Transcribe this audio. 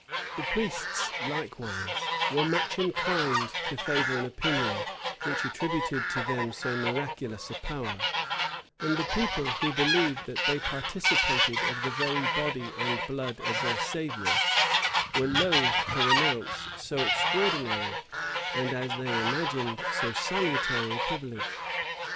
The priests, likewise, were much inclined to favor an opinion which attributed to them so miraculous a power; and the people, who believed that they participated of the very body and blood of their Savior, were loath to renounce so extraordinary, and, as they imagined, so salutary a privilege.